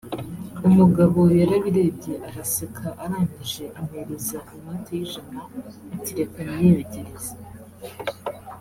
umugabo yarabirebye araseka arangije ampereaza inote y’ijana ati reka nyiyogereze